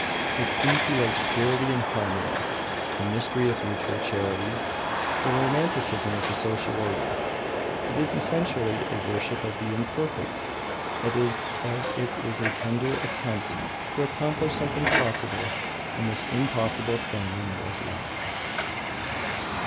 It inculcates purity and harmony, the mystery of mutual charity, the romanticism of the social order. It is essentially a worship of the Imperfect, as it is a tender attempt to accomplish something possible in this impossible thing we know as life.